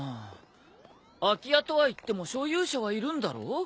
空き家とはいっても所有者はいるんだろ？